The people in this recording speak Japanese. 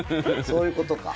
そういうことか。